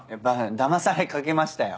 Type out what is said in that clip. だまされかけましたよ。